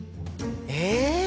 え